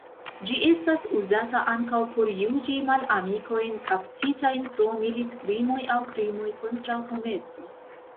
Ĝi estas uzata ankaŭ por juĝi malamikojn kaptitajn pro militkrimoj aŭ krimoj kontraŭ homeco.